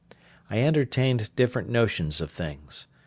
I entertained different notions of things.